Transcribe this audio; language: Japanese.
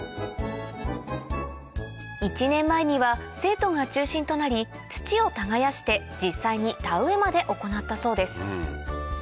１年前には生徒が中心となり土を耕して実際に田植えまでいったそうです